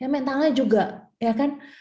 mentalnya juga ya kan